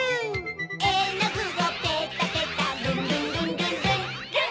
えのぐをペタペタルンルンルンルンルンルン